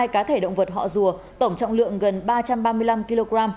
bốn mươi hai cá thể động vật họ rùa tổng trọng lượng gần ba trăm ba mươi năm kg